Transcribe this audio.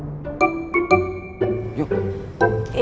dan belum my bad side